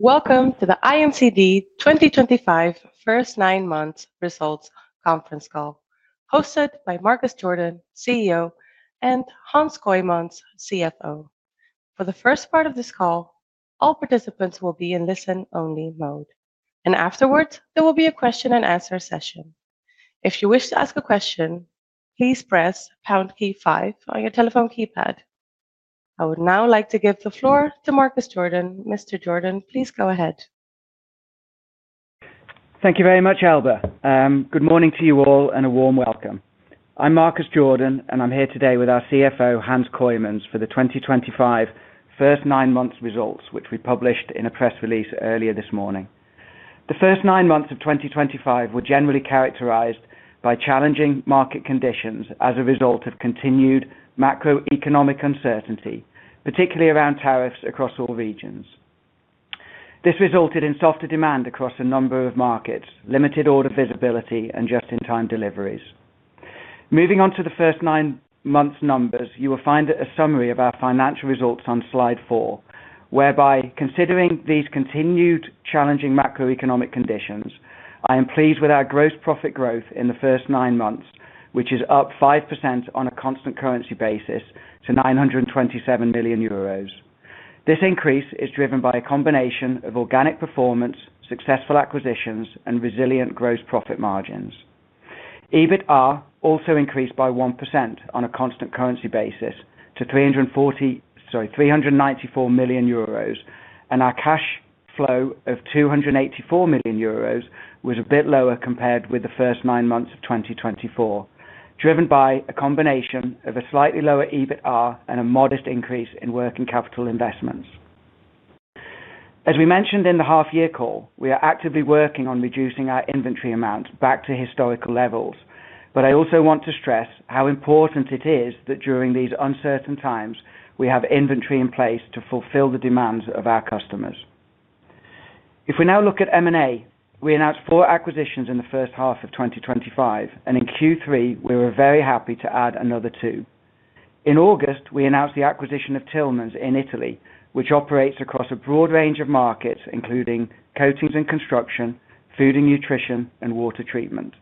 Welcome to the IMCD 2025 First Nine Months Results Conference Call, hosted by Marcus Jordan, CEO, and Hans Kooijmans, CFO. For the first part of this call, all participants will be in listen-only mode, and afterwards, there will be a question-and-answer session. If you wish to ask a question, please press pound key five on your telephone keypad. I would now like to give the floor to Marcus Jordan. Mr. Jordan, please go ahead. Thank you very much, Alba. Good morning to you all and a warm welcome. I'm Marcus Jordan, and I'm here today with our CFO, Hans Kooijmans, for the 2025 First Nine Months Results, which we published in a press release earlier this morning. The first nine months of 2025 were generally characterized by challenging market conditions as a result of continued macroeconomic uncertainty, particularly around tariffs across all regions. This resulted in softer demand across a number of markets, limited order visibility, and just-in-time deliveries. Moving on to the first nine months' numbers, you will find a summary of our financial results on slide four, whereby, considering these continued challenging macroeconomic conditions, I am pleased with our gross profit growth in the first nine months, which is up 5% on a constant currency basis to 927 million euros. This increase is driven by a combination of organic performance, successful acquisitions, and resilient gross profit margins. EBITRA also increased by 1% on a constant currency basis to 394 million euros, and our cash flow of 284 million euros was a bit lower compared with the first nine months of 2024, driven by a combination of a slightly lower EBITRA and a modest increase in working capital investments. As we mentioned in the half-year call, we are actively working on reducing our inventory amounts back to historical levels, but I also want to stress how important it is that during these uncertain times, we have inventory in place to fulfill the demands of our customers. If we now look at M&A, we announced four acquisitions in the first half of 2025, and in Q3, we were very happy to add another two. In August, we announced the acquisition of Tilmans in Italy, which operates across a broad range of markets, including coatings and construction, food and nutrition, and water treatment.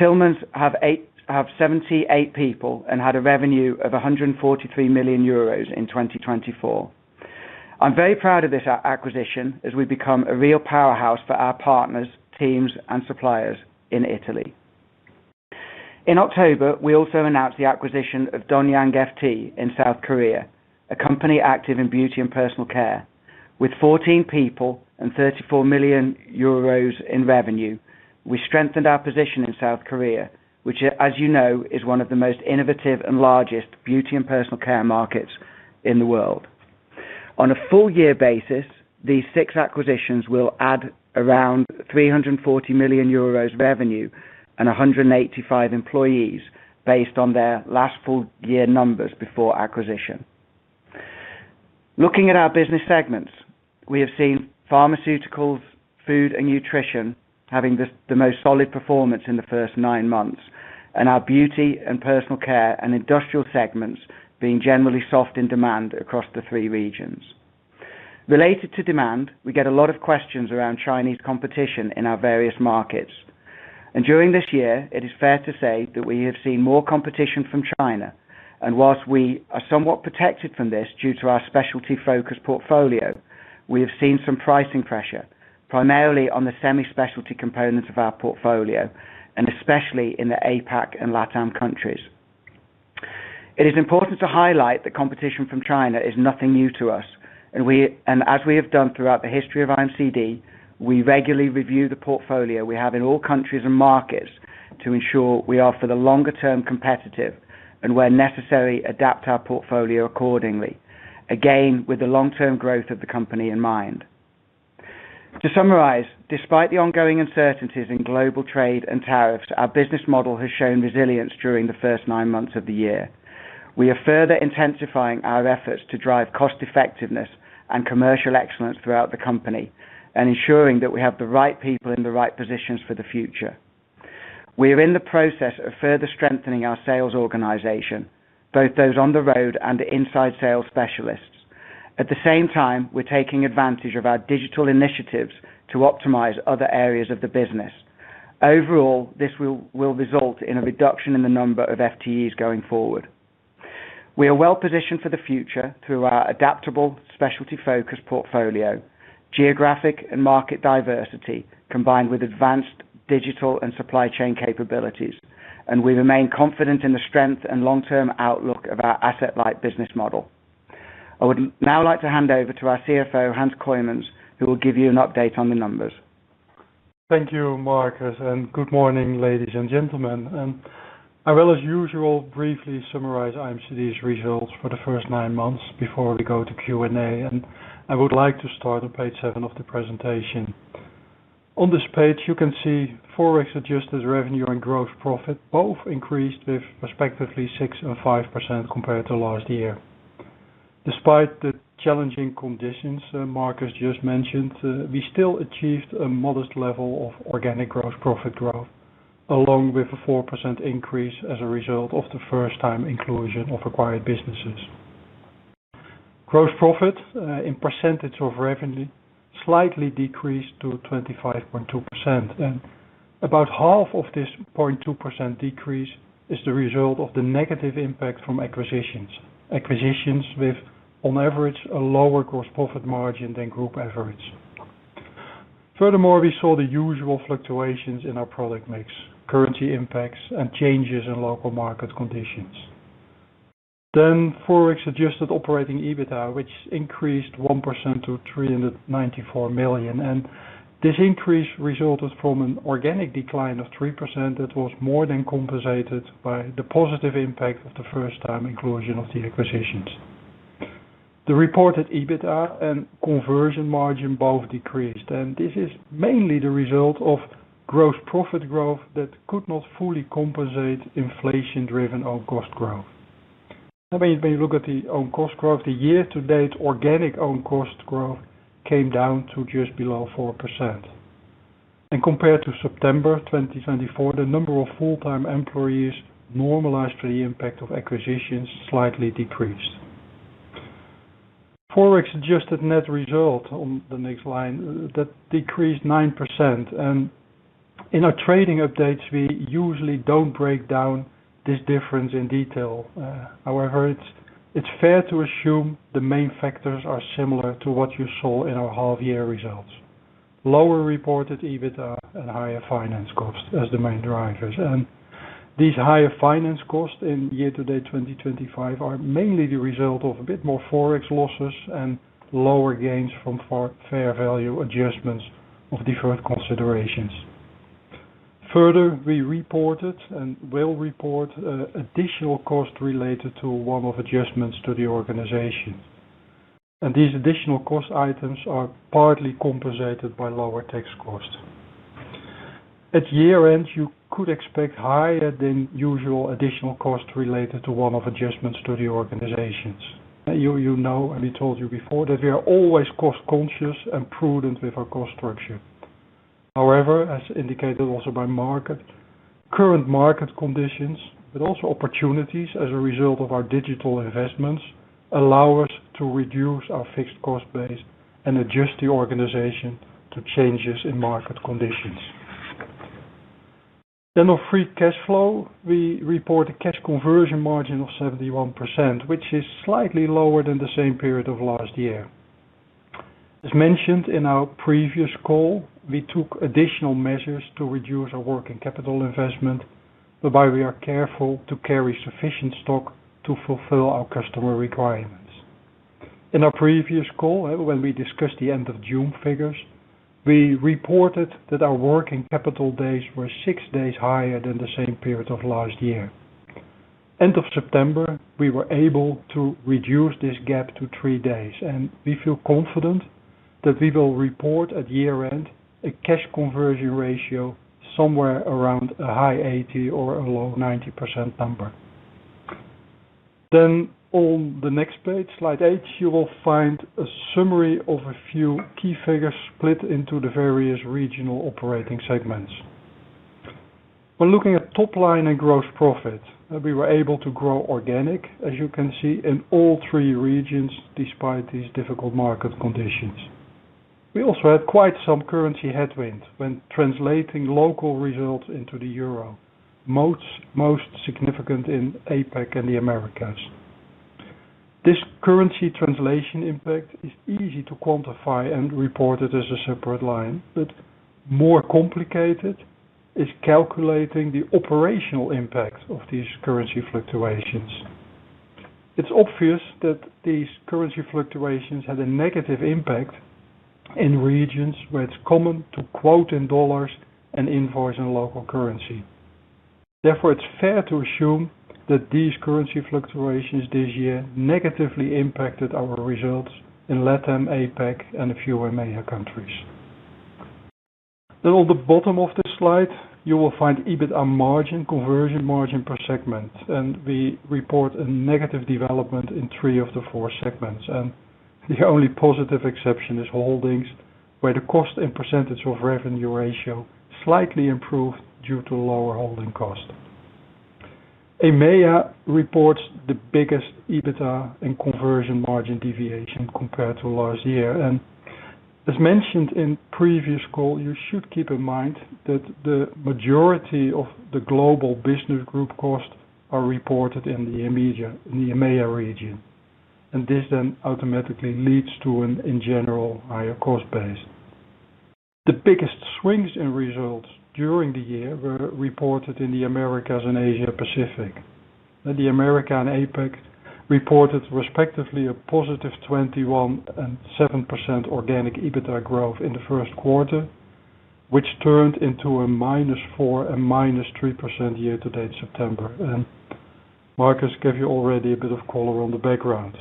Tilmans have 78 people and had a revenue of 143 million euros in 2024. I'm very proud of this acquisition as we become a real powerhouse for our partners, teams, and suppliers in Italy. In October, we also announced the acquisition of Don Young FT in South Korea, a company active in beauty and personal care. With 14 people and 34 million euros in revenue, we strengthened our position in South Korea, which, as you know, is one of the most innovative and largest beauty and personal care markets in the world. On a full-year basis, these six acquisitions will add around 340 million euros revenue and 185 employees, based on their last full-year numbers before acquisition. Looking at our business segments, we have seen pharmaceuticals, food, and nutrition having the most solid performance in the first nine months, and our beauty and personal care and industrial segments being generally soft in demand across the three regions. Related to demand, we get a lot of questions around Chinese competition in our various markets, and during this year, it is fair to say that we have seen more competition from China. Whilst we are somewhat protected from this due to our specialty-focused portfolio, we have seen some pricing pressure, primarily on the semi-specialty components of our portfolio, and especially in the APAC and LATAM countries. It is important to highlight that competition from China is nothing new to us, and as we have done throughout the history of IMCD, we regularly review the portfolio we have in all countries and markets to ensure we are for the longer-term competitive and, where necessary, adapt our portfolio accordingly, again with the long-term growth of the company in mind. To summarize, despite the ongoing uncertainties in global trade and tariffs, our business model has shown resilience during the first nine months of the year. We are further intensifying our efforts to drive cost-effectiveness and commercial excellence throughout the company and ensuring that we have the right people in the right positions for the future. We are in the process of further strengthening our sales organization, both those on the road and inside sales specialists. At the same time, we're taking advantage of our digital initiatives to optimize other areas of the business. Overall, this will result in a reduction in the number of FTEs going forward. We are well positioned for the future through our adaptable specialty-focused portfolio, geographic and market diversity combined with advanced digital and supply chain capabilities, and we remain confident in the strength and long-term outlook of our asset-light business model. I would now like to hand over to our CFO, Hans Kooijmans, who will give you an update on the numbers. Thank you, Marcus, and good morning, ladies and gentlemen. I will, as usual, briefly summarize IMCD's results for the first nine months before we go to Q&A. I would like to start on page seven of the presentation. On this page, you can see forex-adjusted revenue and gross profit both increased with respectively 6% and 5% compared to last year. Despite the challenging conditions Marcus just mentioned, we still achieved a modest level of organic gross profit growth, along with a 4% increase as a result of the first-time inclusion of acquired businesses. Gross profit in percentage of revenue slightly decreased to 25.2%, and about half of this 0.2% decrease is the result of the negative impact from acquisitions, acquisitions with, on average, a lower gross profit margin than group average. Furthermore, we saw the usual fluctuations in our product mix, currency impacts, and changes in local market conditions. Forex-adjusted operating EBITRA, which increased 1% to 394 million, and this increase resulted from an organic decline of 3% that was more than compensated by the positive impact of the first-time inclusion of the acquisitions. The reported EBITRA and conversion margin both decreased, and this is mainly the result of gross profit growth that could not fully compensate inflation-driven own-cost growth. I mean, when you look at the own-cost growth, the year-to-date organic own-cost growth came down to just below 4%. Compared to September 2024, the number of full-time employees normalized to the impact of acquisitions slightly decreased. Forex-adjusted net result on the next line decreased 9%, and in our trading updates, we usually do not break down this difference in detail. However, it's fair to assume the main factors are similar to what you saw in our half-year results: lower reported EBITRA and higher finance costs as the main drivers. These higher finance costs in year-to-date 2025 are mainly the result of a bit more forex losses and lower gains from fair value adjustments of different considerations. Further, we reported and will report additional costs related to one-off adjustments to the organization. These additional cost items are partly compensated by lower tax costs. At year-end, you could expect higher-than-usual additional costs related to one-off adjustments to the organization. You know, and we told you before, that we are always cost-conscious and prudent with our cost structure. However, as indicated also by market, current market conditions, but also opportunities as a result of our digital investments, allow us to reduce our fixed cost base and adjust the organization to changes in market conditions. Of free cash flow, we report a cash conversion margin of 71%, which is slightly lower than the same period of last year. As mentioned in our previous call, we took additional measures to reduce our working capital investment, whereby we are careful to carry sufficient stock to fulfill our customer requirements. In our previous call, when we discussed the end-of-June figures, we reported that our working capital days were six days higher than the same period of last year. End of September, we were able to reduce this gap to three days, and we feel confident that we will report at year-end a cash conversion ratio somewhere around a high 80% or a low 90% number. On the next page, slide eight, you will find a summary of a few key figures split into the various regional operating segments. When looking at top-line and gross profit, we were able to grow organic, as you can see, in all three regions despite these difficult market conditions. We also had quite some currency headwinds when translating local results into the EUR, most significant in APAC and the Americas. This currency translation impact is easy to quantify and report as a separate line, but more complicated is calculating the operational impact of these currency fluctuations. It's obvious that these currency fluctuations had a negative impact. In regions where it is common to quote in dollars and invoice in local currency. Therefore, it is fair to assume that these currency fluctuations this year negatively impacted our results in LATAM, APAC, and a few EMEA countries. At the bottom of this slide, you will find EBITRA margin, conversion margin per segment, and we report a negative development in three of the four segments. The only positive exception is holdings, where the cost and percentage of revenue ratio slightly improved due to lower holding cost. EMEA reports the biggest EBITRA and conversion margin deviation compared to last year. As mentioned in the previous call, you should keep in mind that the majority of the global business group costs are reported in the EMEA region, and this then automatically leads to an, in general, higher cost base. The biggest swings in results during the year were reported in the Americas and Asia-Pacific. The Americas and APAC reported, respectively, a positive 21% and 7% organic EBITRA growth in the first quarter, which turned into a minus 4% and minus 3% year-to-date September. Marcus gave you already a bit of color on the background.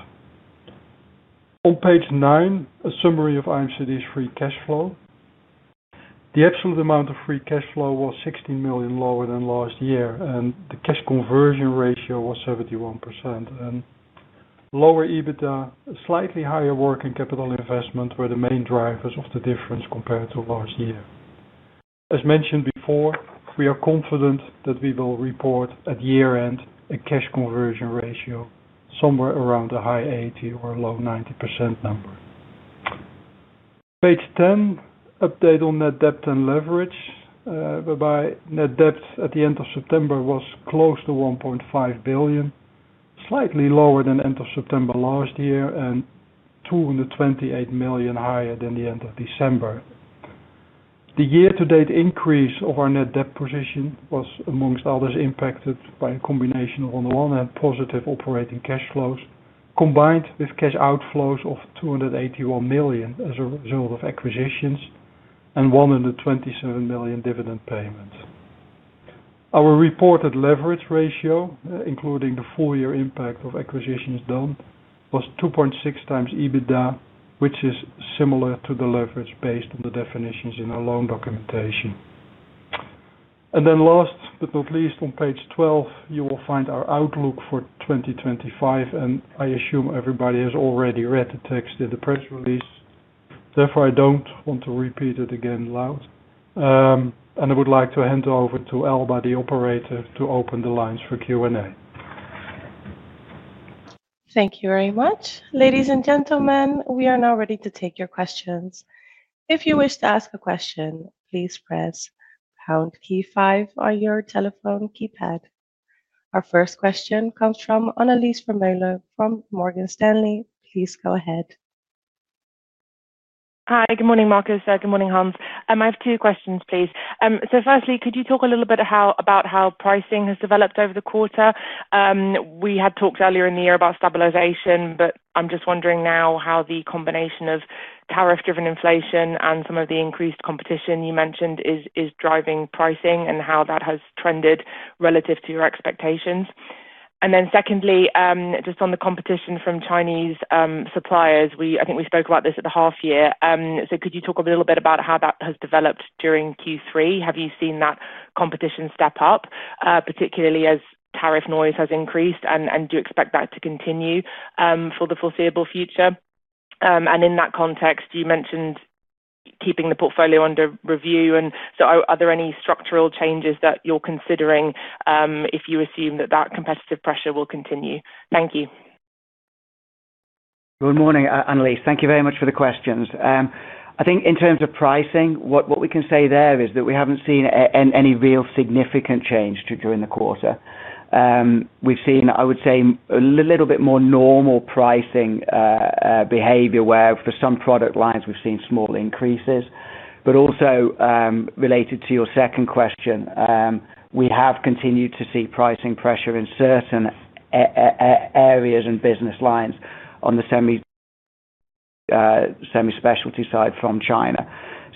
On page nine, a summary of IMCD's free cash flow. The absolute amount of free cash flow was 16 million lower than last year, and the cash conversion ratio was 71%. Lower EBITRA, slightly higher working capital investment, were the main drivers of the difference compared to last year. As mentioned before, we are confident that we will report at year-end a cash conversion ratio somewhere around a high 80% or a low 90% number. Page 10, update on net debt and leverage. Whereby net debt at the end of September was close to 1.5 billion, slightly lower than end of September last year and 228 million higher than the end of December. The year-to-date increase of our net debt position was, amongst others, impacted by a combination of on the one hand positive operating cash flows combined with cash outflows of 281 million as a result of acquisitions and 127 million dividend payments. Our reported leverage ratio, including the full-year impact of acquisitions done, was 2.6 times EBITRA, which is similar to the leverage based on the definitions in our loan documentation. Last but not least, on page 12, you will find our outlook for 2025, and I assume everybody has already read the text in the press release. Therefore, I don't want to repeat it again loud. I would like to hand over to Al, by the operator, to open the lines for Q&A. Thank you very much. Ladies and gentlemen, we are now ready to take your questions. If you wish to ask a question, please press pound key five on your telephone keypad. Our first question comes from Annelies Vermeulen from Morgan Stanley. Please go ahead. Hi, good morning, Marcus. Good morning, Hans. I have two questions, please. Firstly, could you talk a little bit about how pricing has developed over the quarter? We had talked earlier in the year about stabilization, but I'm just wondering now how the combination of tariff-driven inflation and some of the increased competition you mentioned is driving pricing and how that has trended relative to your expectations. Secondly, just on the competition from Chinese suppliers, I think we spoke about this at the half-year. Could you talk a little bit about how that has developed during Q3? Have you seen that competition step up, particularly as tariff noise has increased, and do you expect that to continue for the foreseeable future? In that context, you mentioned keeping the portfolio under review. Are there any structural changes that you're considering if you assume that that competitive pressure will continue? Thank you. Good morning, Annelise. Thank you very much for the questions. I think in terms of pricing, what we can say there is that we haven't seen any real significant change during the quarter. We've seen, I would say, a little bit more normal pricing behavior where for some product lines we've seen small increases. Also, related to your second question, we have continued to see pricing pressure in certain areas and business lines on the semi-specialty side from China.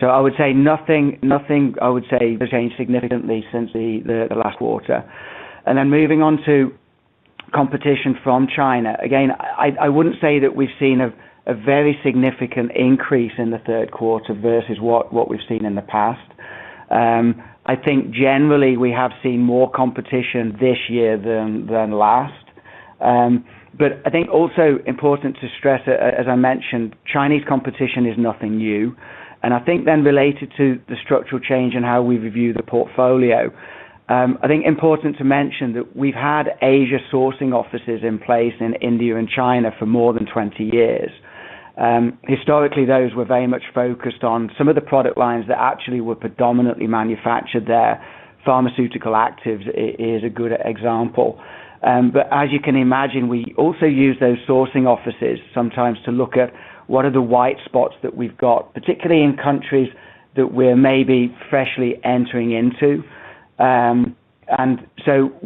I would say nothing, I would say, changed significantly since the last quarter. Moving on to competition from China, again, I wouldn't say that we've seen a very significant increase in the third quarter versus what we've seen in the past. I think generally we have seen more competition this year than last. I think also important to stress, as I mentioned, Chinese competition is nothing new. I think then related to the structural change and how we review the portfolio, I think important to mention that we've had Asia sourcing offices in place in India and China for more than 20 years. Historically, those were very much focused on some of the product lines that actually were predominantly manufactured there. Pharmaceutical actives is a good example. As you can imagine, we also use those sourcing offices sometimes to look at what are the white spots that we've got, particularly in countries that we're maybe freshly entering into.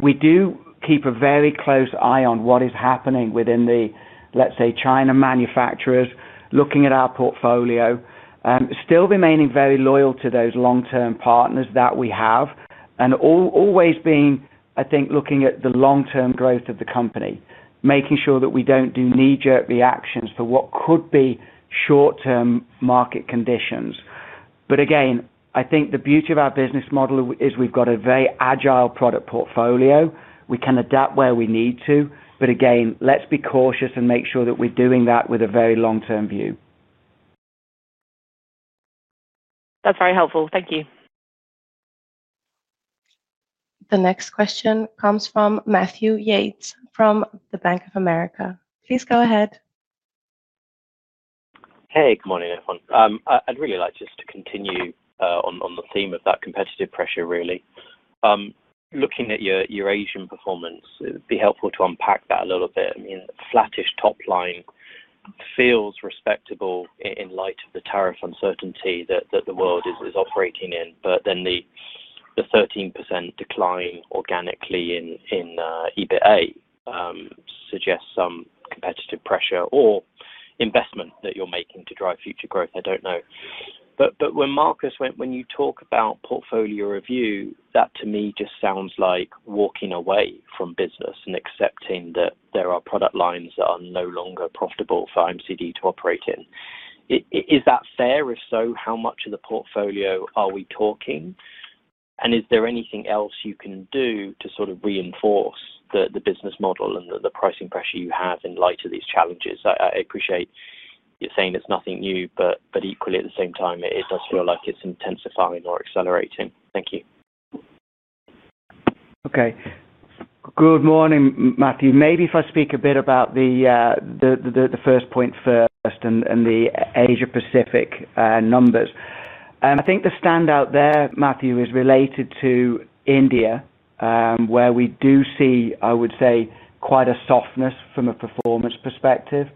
We do keep a very close eye on what is happening within the, let's say, China manufacturers, looking at our portfolio, still remaining very loyal to those long-term partners that we have, and always being, I think, looking at the long-term growth of the company, making sure that we do not do knee-jerk reactions to what could be short-term market conditions. Again, I think the beauty of our business model is we have got a very agile product portfolio. We can adapt where we need to. Again, let's be cautious and make sure that we are doing that with a very long-term view. That's very helpful. Thank you. The next question comes from Matthew Yates from the Bank of America. Please go ahead. Hey, good morning, everyone. I'd really like just to continue on the theme of that competitive pressure, really. Looking at your Asian performance, it'd be helpful to unpack that a little bit. I mean, flat-ish top line. Feels respectable in light of the tariff uncertainty that the world is operating in. Then the 13% decline organically in EBITRA. Suggests some competitive pressure or investment that you're making to drive future growth. I don't know. Marcus, when you talk about portfolio review, that to me just sounds like walking away from business and accepting that there are product lines that are no longer profitable for IMCD to operate in. Is that fair? If so, how much of the portfolio are we talking? Is there anything else you can do to sort of reinforce the business model and the pricing pressure you have in light of these challenges? I appreciate you're saying it's nothing new, but equally at the same time, it does feel like it's intensifying or accelerating. Thank you. Okay. Good morning, Matthew. Maybe if I speak a bit about the first point first and the Asia-Pacific numbers. I think the standout there, Matthew, is related to India, where we do see, I would say, quite a softness from a performance perspective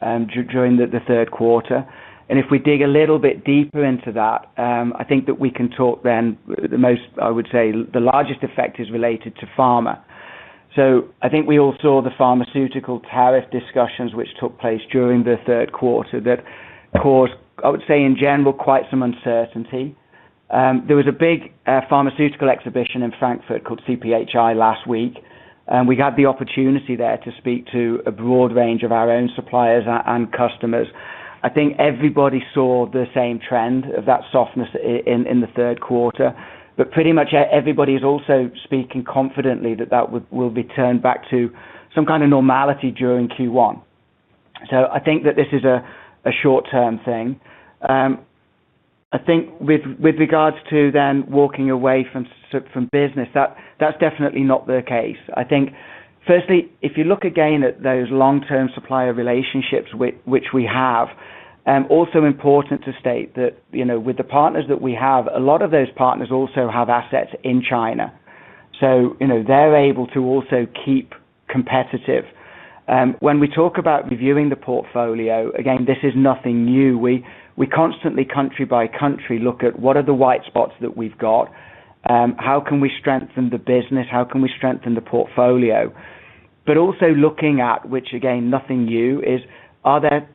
during the third quarter. If we dig a little bit deeper into that, I think that we can talk then the most, I would say, the largest effect is related to pharma. I think we all saw the pharmaceutical tariff discussions which took place during the third quarter that caused, I would say, in general, quite some uncertainty. There was a big pharmaceutical exhibition in Frankfurt called CPHI last week. We had the opportunity there to speak to a broad range of our own suppliers and customers. I think everybody saw the same trend of that softness in the third quarter. Pretty much everybody is also speaking confidently that that will be turned back to some kind of normality during Q1. I think that this is a short-term thing. I think with regards to then walking away from business, that's definitely not the case. Firstly, if you look again at those long-term supplier relationships which we have, also important to state that with the partners that we have, a lot of those partners also have assets in China. They're able to also keep competitive. When we talk about reviewing the portfolio, again, this is nothing new. We constantly, country by country, look at what are the white spots that we've got. How can we strengthen the business? How can we strengthen the portfolio? Also looking at, which again, nothing new, is are there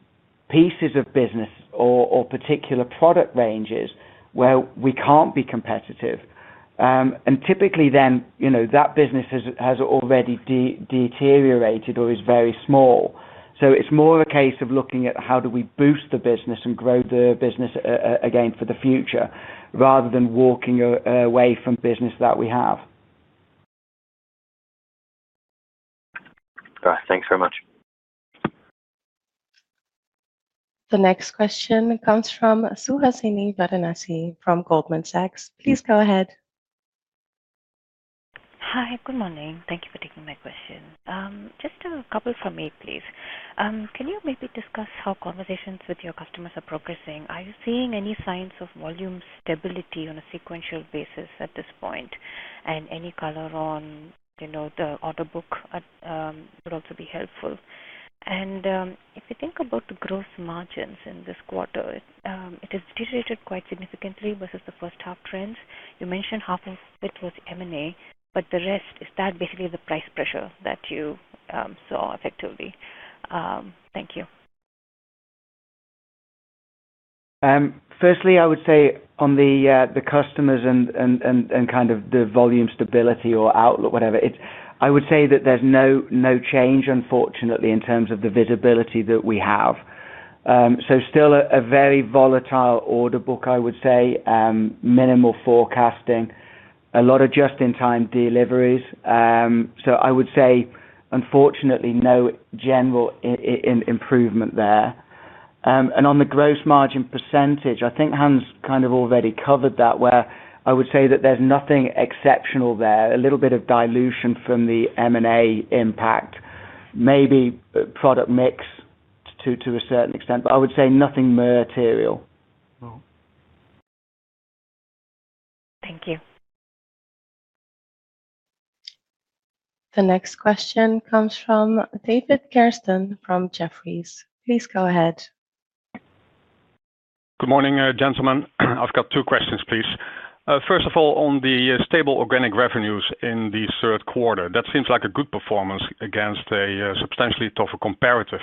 pieces of business or particular product ranges where we can't be competitive? Typically then that business has already deteriorated or is very small. It is more of a case of looking at how do we boost the business and grow the business again for the future rather than walking away from business that we have. Thanks very much. The next question comes from Suhasini Varanasi from Goldman Sachs. Please go ahead. Hi, good morning. Thank you for taking my question. Just a couple from me, please. Can you maybe discuss how conversations with your customers are progressing? Are you seeing any signs of volume stability on a sequential basis at this point? Any color on the order book would also be helpful. If you think about the gross margins in this quarter, it has deteriorated quite significantly versus the first half trends. You mentioned half of it was M&A, but the rest, is that basically the price pressure that you saw effectively? Thank you. Firstly, I would say on the customers and kind of the volume stability or outlook, whatever, I would say that there's no change, unfortunately, in terms of the visibility that we have. Still a very volatile order book, I would say, minimal forecasting, a lot of just-in-time deliveries. I would say, unfortunately, no general improvement there. On the gross margin percentage, I think Hans kind of already covered that, where I would say that there's nothing exceptional there, a little bit of dilution from the M&A impact, maybe product mix to a certain extent, but I would say nothing material. Thank you. The next question comes from David Kerstens from Jefferies. Please go ahead. Good morning, gentlemen. I've got two questions, please. First of all, on the stable organic revenues in the third quarter, that seems like a good performance against a substantially tougher comparative.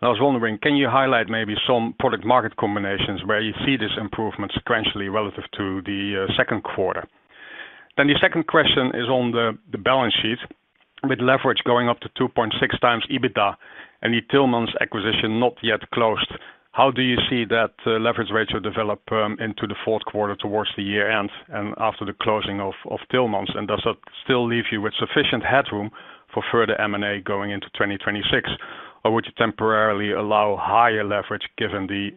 I was wondering, can you highlight maybe some product-market combinations where you see this improvement sequentially relative to the second quarter? The second question is on the balance sheet with leverage going up to 2.6 times EBITRA and the Tilmans acquisition not yet closed. How do you see that leverage ratio develop into the fourth quarter towards the year-end and after the closing of Tilmans? Does that still leave you with sufficient headroom for further M&A going into 2026? Would you temporarily allow higher leverage given the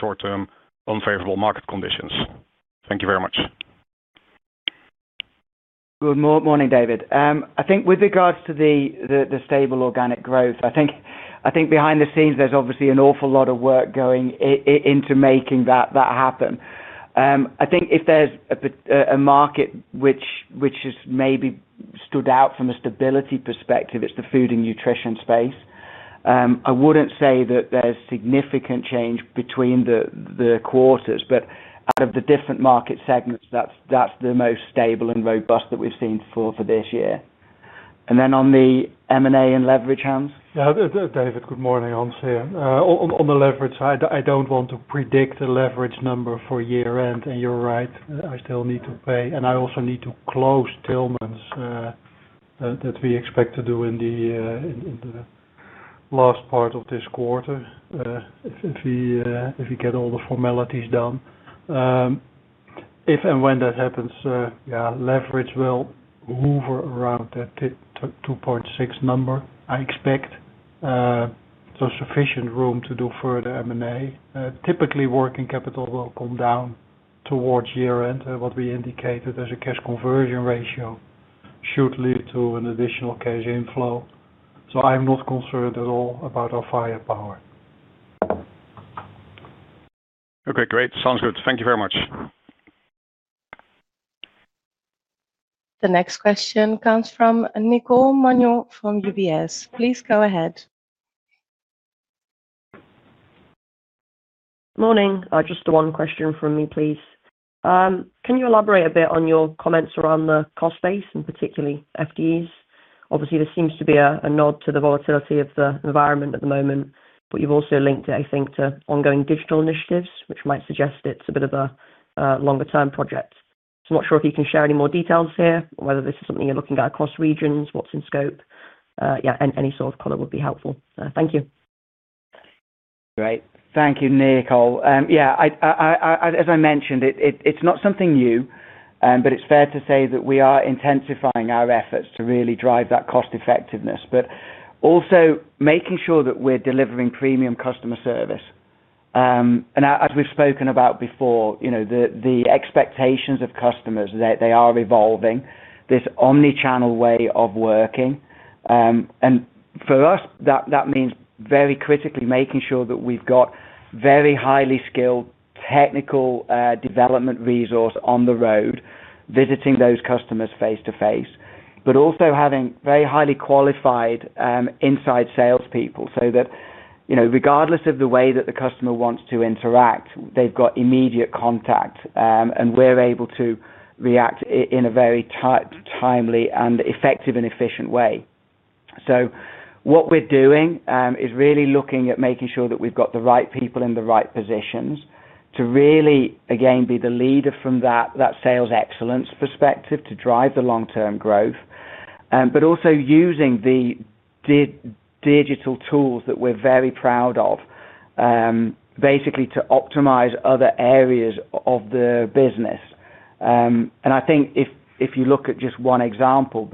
short-term unfavorable market conditions? Thank you very much. Good morning, David. I think with regards to the stable organic growth, I think behind the scenes, there's obviously an awful lot of work going into making that happen. I think if there's a market which has maybe stood out from a stability perspective, it's the food and nutrition space. I wouldn't say that there's significant change between the quarters, but out of the different market segments, that's the most stable and robust that we've seen for this year. On the M&A and leverage, Hans? David, good morning, Hans here. On the leverage side, I do not want to predict the leverage number for year-end, and you are right. I still need to pay. I also need to close Tilmans. That we expect to do in the last part of this quarter if we get all the formalities done. If and when that happens, yeah, leverage will hover around that 2.6 number, I expect. Sufficient room to do further M&A. Typically, working capital will come down towards year-end, what we indicated as a cash conversion ratio should lead to an additional cash inflow. I am not concerned at all about our firepower. Okay, great. Sounds good. Thank you very much. The next question comes from Nicole Manion from UBS. Please go ahead. Morning. Just one question from me, please. Can you elaborate a bit on your comments around the cost base and particularly FTEs? Obviously, there seems to be a nod to the volatility of the environment at the moment, but you've also linked it, I think, to ongoing digital initiatives, which might suggest it's a bit of a longer-term project. I'm not sure if you can share any more details here, whether this is something you're looking at across regions, what's in scope. Yeah, any sort of color would be helpful. Thank you. Great. Thank you, Nicole. Yeah. As I mentioned, it's not something new, but it's fair to say that we are intensifying our efforts to really drive that cost-effectiveness, but also making sure that we're delivering premium customer service. As we've spoken about before, the expectations of customers, they are evolving, this omnichannel way of working. For us, that means very critically making sure that we've got very highly skilled technical development resource on the road, visiting those customers face-to-face, but also having very highly qualified inside salespeople so that regardless of the way that the customer wants to interact, they've got immediate contact and we're able to react in a very timely and effective and efficient way. What we're doing is really looking at making sure that we've got the right people in the right positions to really, again, be the leader from that sales excellence perspective to drive the long-term growth, but also using the digital tools that we're very proud of, basically to optimize other areas of the business. I think if you look at just one example,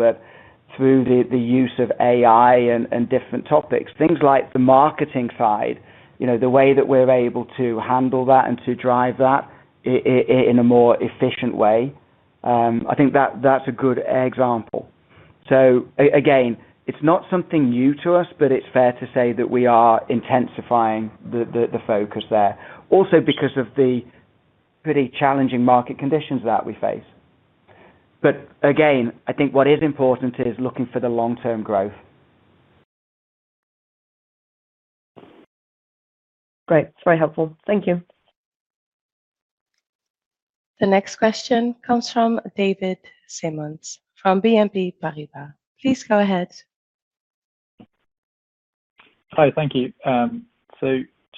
through the use of AI and different topics, things like the marketing side, the way that we're able to handle that and to drive that in a more efficient way, I think that's a good example. Again, it's not something new to us, but it's fair to say that we are intensifying the focus there, also because of the pretty challenging market conditions that we face. Again, I think what is important is looking for the long-term growth. Great. Very helpful. Thank you. The next question comes from David Simmons from BNP Paribas. Please go ahead. Hi, thank you.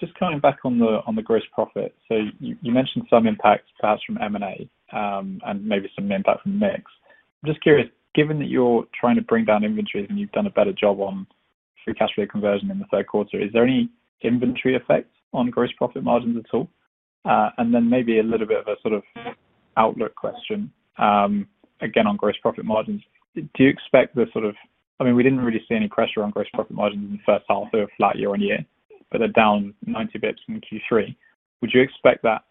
Just coming back on the gross profit. You mentioned some impact perhaps from M&A and maybe some impact from mix. I'm just curious, given that you're trying to bring down inventories and you've done a better job on free cash flow conversion in the third quarter, is there any inventory effect on gross profit margins at all? Maybe a little bit of a sort of outlook question. Again on gross profit margins. Do you expect the sort of, I mean, we didn't really see any pressure on gross profit margins in the first half of a flat year-on-year, but they're down 90 basis points in Q3. Would you expect that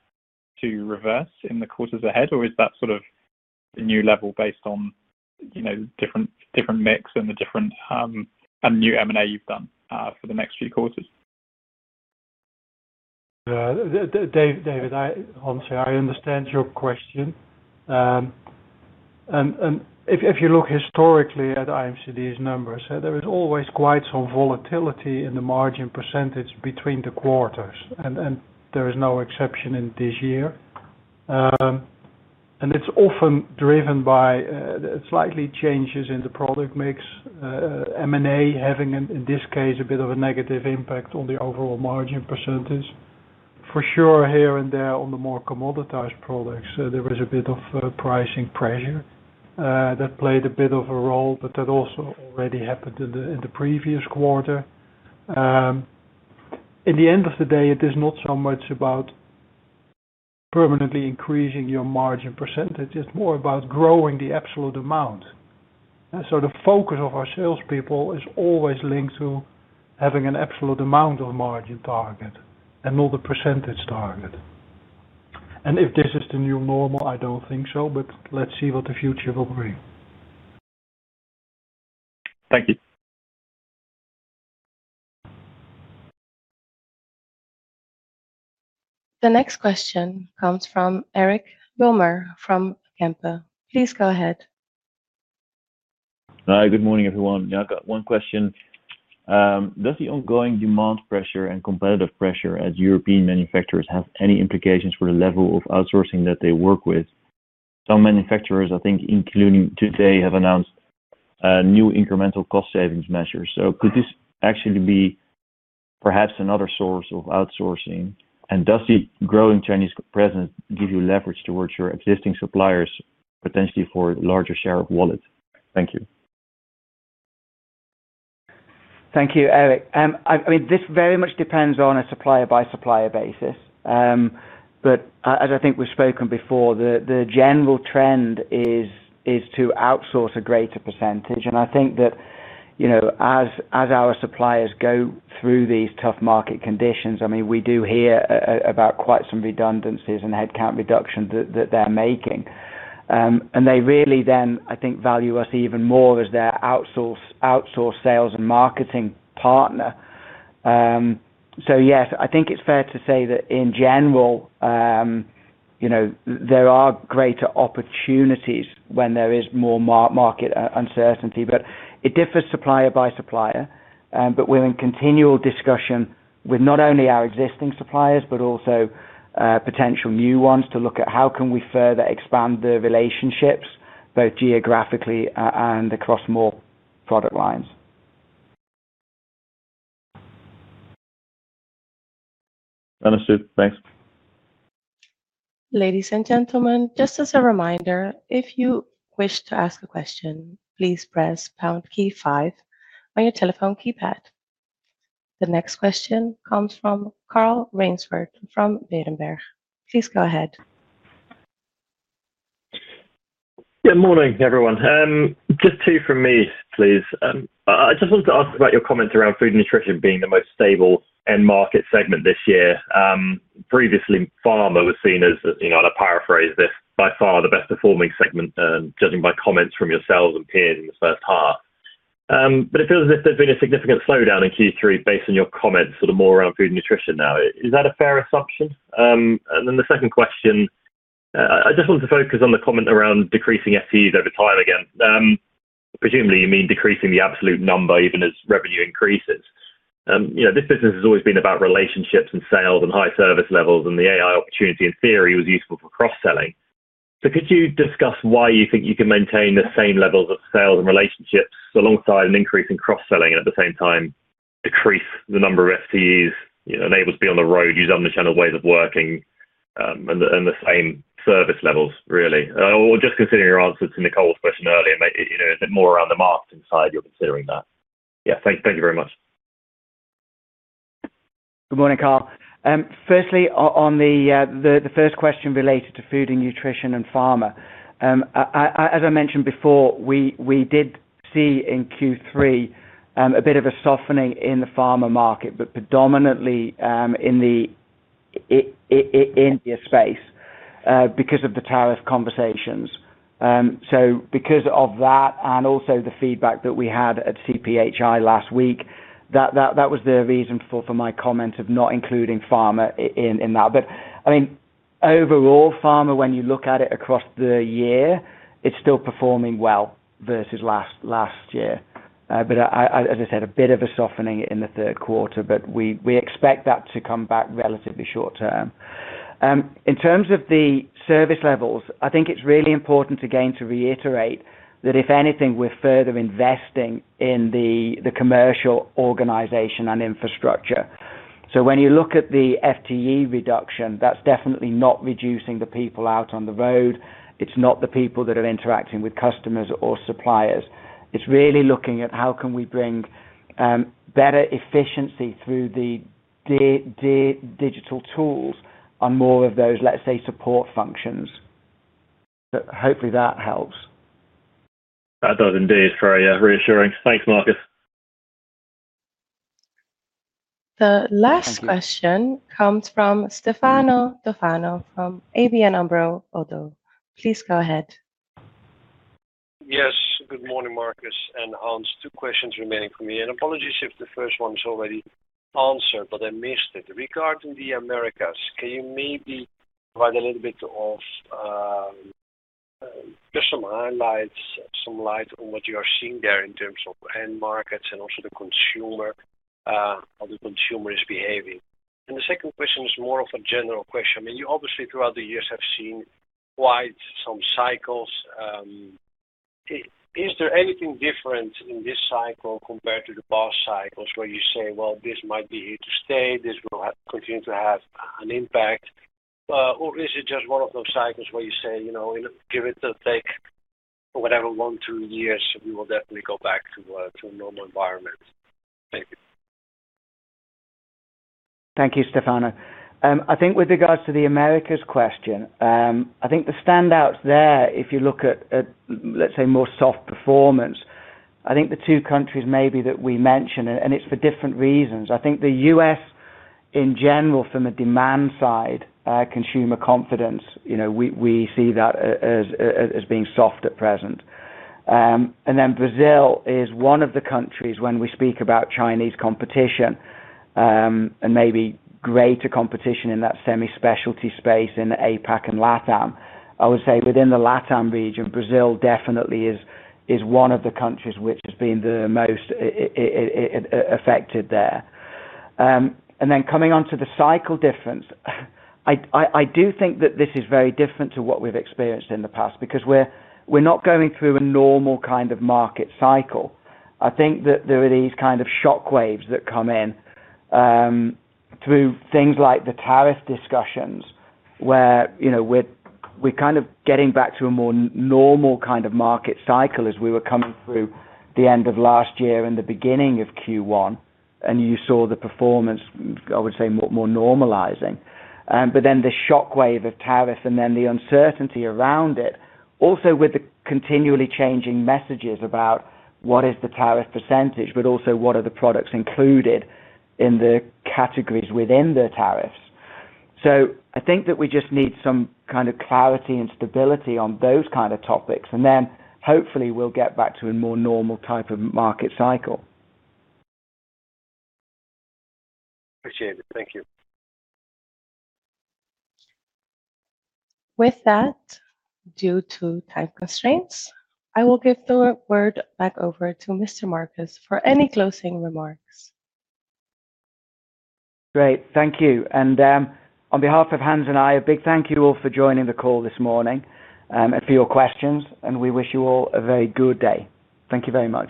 to reverse in the quarters ahead, or is that sort of a new level based on the different mix and the different new M&A you've done for the next few quarters? David, honestly, I understand your question. If you look historically at IMCD's numbers, there is always quite some volatility in the margin percentage between the quarters, and there is no exception in this year. It is often driven by slightly changes in the product mix, M&A having, in this case, a bit of a negative impact on the overall margin percentage. For sure, here and there on the more commoditized products, there was a bit of pricing pressure that played a bit of a role, but that also already happened in the previous quarter. In the end of the day, it is not so much about permanently increasing your margin percentage. It is more about growing the absolute amount. The focus of our salespeople is always linked to having an absolute amount of margin target and not a percentage target. If this is the new normal, I don't think so, but let's see what the future will bring. Thank you. The next question comes from Eric Wilmer from Kempen. Please go ahead. Hi, good morning, everyone. I've got one question. Does the ongoing demand pressure and competitive pressure at European manufacturers have any implications for the level of outsourcing that they work with? Some manufacturers, I think, including today, have announced new incremental cost-savings measures. Could this actually be perhaps another source of outsourcing? Does the growing Chinese presence give you leverage towards your existing suppliers, potentially for a larger share of wallet? Thank you. Thank you, Eric. I mean, this very much depends on a supplier-by-supplier basis. But as I think we've spoken before, the general trend is to outsource a greater percentage. I think that as our suppliers go through these tough market conditions, I mean, we do hear about quite some redundancies and headcount reduction that they're making. They really then, I think, value us even more as their outsource sales and marketing partner. Yes, I think it's fair to say that in general there are greater opportunities when there is more market uncertainty, but it differs supplier by supplier. We're in continual discussion with not only our existing suppliers, but also potential new ones to look at how can we further expand the relationships, both geographically and across more product lines. That is it. Thanks. Ladies and gentlemen, just as a reminder, if you wish to ask a question, please press pound key five on your telephone keypad. The next question comes from Carl Raynsford from Berenberg. Please go ahead. Good morning, everyone. Just two from me, please. I just wanted to ask about your comments around food and nutrition being the most stable end market segment this year. Previously, pharma was seen as, I'll paraphrase this, by far the best-performing segment, judging by comments from yourselves and peers in the first half. It feels as if there's been a significant slowdown in Q3 based on your comments, sort of more around food and nutrition now. Is that a fair assumption? The second question. I just wanted to focus on the comment around decreasing FTEs over time again. Presumably, you mean decreasing the absolute number even as revenue increases. This business has always been about relationships and sales and high service levels, and the AI opportunity in theory was useful for cross-selling. Could you discuss why you think you can maintain the same levels of sales and relationships alongside an increase in cross-selling and at the same time decrease the number of FTEs, enabled to be on the road, use omnichannel ways of working, and the same service levels, really? Or just considering your answer to Nicole's question earlier, is it more around the marketing side you're considering that? Yeah, thank you very much. Good morning, Karl. Firstly, on the first question related to food and nutrition and pharma. As I mentioned before, we did see in Q3 a bit of a softening in the pharma market, but predominantly in the India space because of the tariff conversations. Because of that and also the feedback that we had at CPHI last week, that was the reason for my comment of not including pharma in that. I mean, overall, pharma, when you look at it across the year, it's still performing well versus last year. As I said, a bit of a softening in the third quarter, but we expect that to come back relatively short term. In terms of the service levels, I think it's really important again to reiterate that if anything, we're further investing in the commercial organization and infrastructure. When you look at the FTE reduction, that's definitely not reducing the people out on the road. It's not the people that are interacting with customers or suppliers. It's really looking at how can we bring better efficiency through the digital tools on more of those, let's say, support functions. Hopefully that helps. That does indeed for a reassuring. Thanks, Marcus. The last question comes from Stefano Toffano from ABN AMRO - ODDO. Please go ahead. Yes, good morning, Marcus and Hans. Two questions remaining for me. Apologies if the first one is already answered, but I missed it. Regarding the Americas, can you maybe provide a little bit of, just some highlights, some light on what you are seeing there in terms of end markets and also the consumer? How the consumer is behaving? The second question is more of a general question. I mean, you obviously, throughout the years, have seen quite some cycles. Is there anything different in this cycle compared to the past cycles where you say, "Well, this might be here to stay. This will continue to have an impact." Or is it just one of those cycles where you say, "Give it a take for whatever, one, two years, we will definitely go back to a normal environment"? Thank you. Thank you, Stefano. I think with regards to the Americas question, I think the standouts there, if you look at, let's say, more soft performance, I think the two countries maybe that we mentioned, and it's for different reasons. I think the US, in general, from a demand side, consumer confidence. We see that as being soft at present. Then Brazil is one of the countries, when we speak about Chinese competition, and maybe greater competition in that semi-specialty space in APAC and LATAM. I would say within the LATAM region, Brazil definitely is one of the countries which has been the most affected there. Then coming on to the cycle difference, I do think that this is very different to what we've experienced in the past because we're not going through a normal kind of market cycle. I think that there are these kind of shockwaves that come in. Through things like the tariff discussions where we're kind of getting back to a more normal kind of market cycle as we were coming through the end of last year and the beginning of Q1. You saw the performance, I would say, more normalizing. The shockwave of tariffs and then the uncertainty around it, also with the continually changing messages about what is the tariff percentage, but also what are the products included in the categories within the tariffs. I think that we just need some kind of clarity and stability on those kind of topics. Hopefully we'll get back to a more normal type of market cycle. Appreciate it. Thank you. With that, due to time constraints, I will give the word back over to Mr. Marcus for any closing remarks. Great. Thank you. On behalf of Hans and I, a big thank you all for joining the call this morning and for your questions. We wish you all a very good day. Thank you very much.